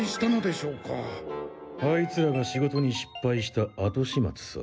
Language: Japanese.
あいつらが仕事に失敗した後始末さ。